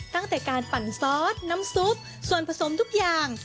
ตั้งแต่การปั่นซอสน้ำซุปส่วนผสมทุกอย่าง